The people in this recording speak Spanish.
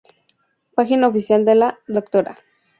Página oficial de la Dra.